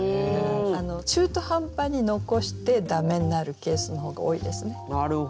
中途半端に残して駄目になるケースの方が多いですね。